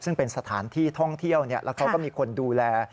ซึ่งเป็นสถานที่ท่องเที่ยวแล้วเขาก็มีคนดูแล